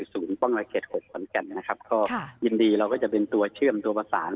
สูงป้องรักษณ์๖วันกันนะครับก็ยินดีเราก็จะเป็นตัวเชื่อมตัวประสาน